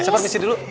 siapa misi dulu